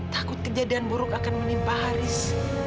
takut kejadian buruk akan menimpa haris